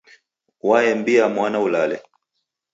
Waembia mwana ulale.